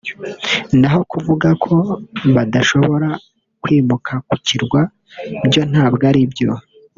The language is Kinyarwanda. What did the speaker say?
naho kuvuga ko badashobora kwimuka ku kirwa byo ntabwo ari byo